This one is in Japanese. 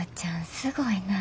すごいな。